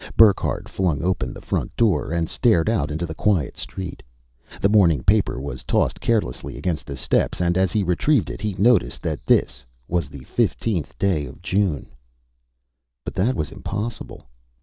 Burckhardt flung open the front door and stared out into the quiet street. The morning paper was tossed carelessly against the steps and as he retrieved it, he noticed that this was the 15th day of June. But that was impossible.